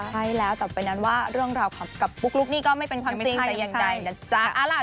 ใช่แล้วต่อไปนั้นว่าเรื่องราวกับปุ๊กลุ๊กนี่ก็ไม่เป็นความจริงแต่อย่างใดนะจ๊ะ